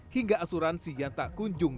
hingga asuransi yang tak kunjung